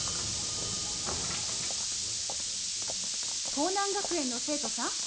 港南学園の生徒さん？